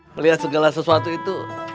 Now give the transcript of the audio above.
melihat segala sesuatu itu